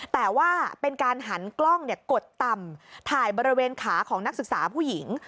แต่ว่าเป็นการหันกล้องกดต่ำถ่ายบริเวณขาของนักศึกษาผู้หญิง